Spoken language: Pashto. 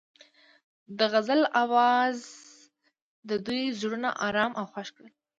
د غزل اواز د دوی زړونه ارامه او خوښ کړل.